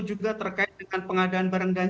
juga terkait dengan pengadaan barang dan